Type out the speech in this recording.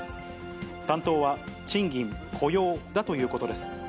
担当は、賃金・雇用だということです。